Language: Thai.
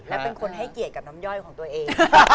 และเป็นคนให้เกียรติกับน้ำย่อยของตัวเอง